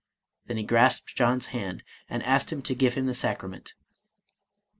Then he grasped John's hand, and asked him to give him the sacrament.